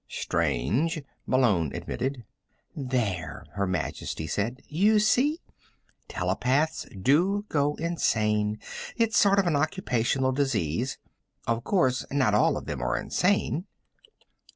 "Strange," Malone admitted. "There," Her Majesty said. "You see? Telepaths do go insane it's sort of an occupational disease. Of course, not all of them are insane."